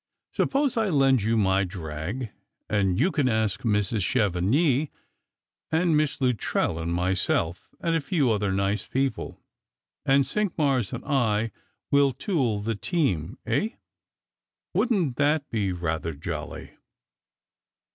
Suppose I lend you my drag, and you can ask Mrs. Chevenix, and Miss Luttrell, and myself, and a few other nice people; and Cinqmars and I will tool the team, eh? wouldn't that be rather jolly